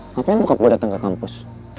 ngapain bokap gue dateng ke kampus